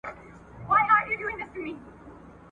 د لومړي ځل لپاره خپل شعر ولووست `